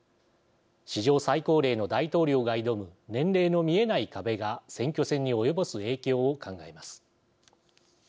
史上最高齢の大統領が挑む年齢の見えない壁が選挙戦に及ぼす影響を考えます。